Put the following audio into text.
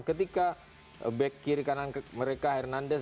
ketika back kiri kanan mereka hernandez